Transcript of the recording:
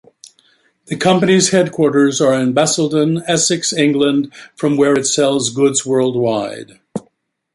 The company's headquarters are in Basildon, Essex, England, from where it sells goods worldwide.